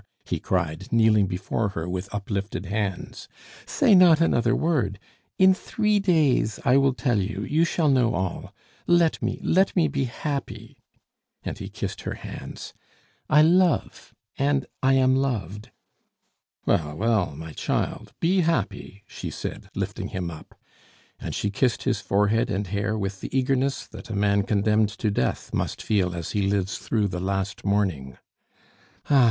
he cried, kneeling before her with uplifted hands. "Say not another word! In three days I will tell you, you shall know all. Let me, let me be happy," and he kissed her hands. "I love and I am loved." "Well, well, my child, be happy," she said, lifting him up. And she kissed his forehead and hair with the eagerness that a man condemned to death must feel as he lives through the last morning. "Ah!